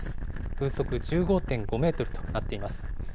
風速１５．５メートルとなっています。